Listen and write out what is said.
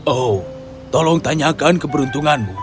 oh tolong tanyakan keberuntunganmu